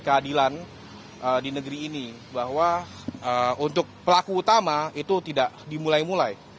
keadilan di negeri ini bahwa untuk pelaku utama itu tidak dimulai mulai